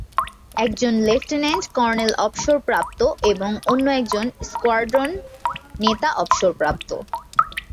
একজন lieutenant colonel অবসরপ্রাপ্ত এবং অন্য একজন স্কোয়াড্রন নেতা অবসরপ্রাপ্ত।